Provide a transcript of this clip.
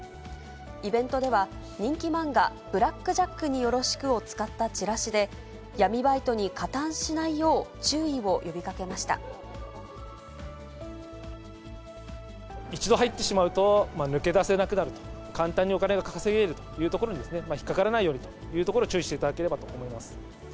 イベントでは、人気漫画、ブラックジャックによろしくを使ったチラシで、闇バイトに加担し一度入ってしまうと抜け出せなくなると、簡単にお金が稼げるというところにですね、引っ掛からないようにというところを注意していただければと思います。